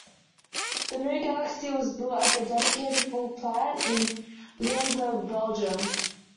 The new Galaxy was built at a dedicated Ford plant in Limburg, Belgium.